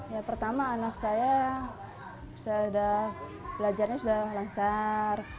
ya pertama anak saya saya udah belajarnya sudah lancar